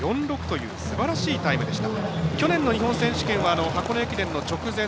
８分１７秒４６というすばらしいタイムでした。